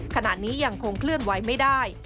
ขณะนี้ยังคงเคลื่อนไว้ไม่ได้